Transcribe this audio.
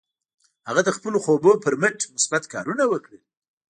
هغه د خپلو خوبونو پر مټ مثبت کارونه وکړل.